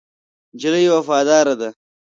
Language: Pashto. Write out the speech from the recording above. نجلۍ وفاداره ده.